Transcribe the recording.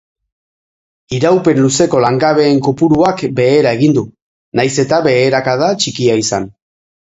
Iraupen luzeko langabeen kopuruak behera egin du, nahiz eta beherakada txikia izan.